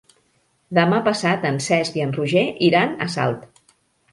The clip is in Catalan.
Demà passat en Cesc i en Roger iran a Salt.